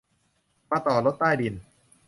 มาต่อรถใต้ดิน